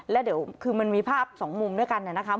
แล้วเดี๋ยวคือมันมีภาพสองมุมด้วยกันนะครับ